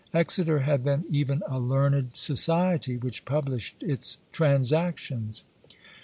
Exeter had then even a learned society which published its Transactions.